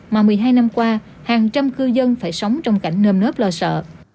mà một mươi hai năm qua hàng trăm cư dân phải sống trong cảnh nơm nớp lo sợ